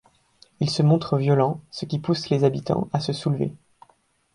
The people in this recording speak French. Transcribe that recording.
Il se montre violent, ce qui pousse les habitants à se soulever.